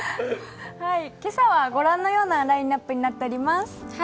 今朝は御覧のようなラインナップになっています。